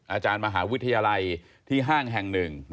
อาจารย์มหาวิทยาลัยที่ห้างแห่งหนึ่ง